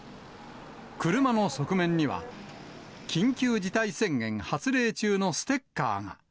車の側面には、緊急事態宣言発令中のステッカーが。